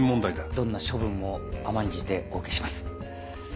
どんな処分も甘んじてお受けします。